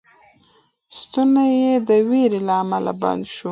ستونی یې د وېرې له امله بند شو.